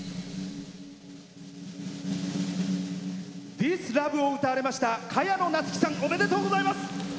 「ＴｈｉｓＬｏｖｅ」を歌われました萱野夏紀さん。おめでとうございます。